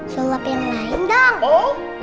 sulap yang lain dong